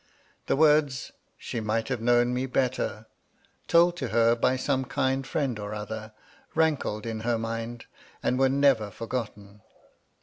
The words, " she might have known me better," told to her by some kind friend or other, rankled in her mind, and were never forgotten.